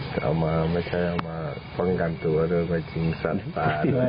ก็ไม่ใช่เอามาต้องการตัวแล้วมันทิ้งสารซะ